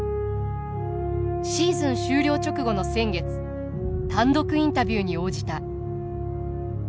シーズン終了直後の先月単独インタビューに応じた。